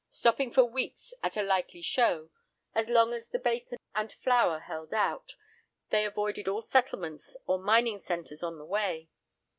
Stopping for weeks at a likely 'show,' as long as the bacon and flour held out, they avoided all settlements or mining centres on the way.